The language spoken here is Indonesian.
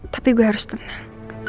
tapi gue harus tenang